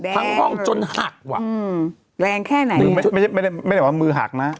ทั้งห้องจนหักว่ะแรงแค่ไหนไม่ได้ว่ามือหักนะ